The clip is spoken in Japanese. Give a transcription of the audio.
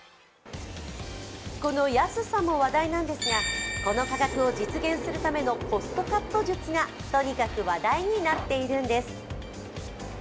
この安さも話題なんですがこの価格を実現するためのコストカット術がとにかく話題になっているんです。